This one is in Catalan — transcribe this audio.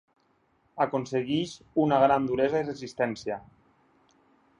Aconsegueix una gran duresa i resistència.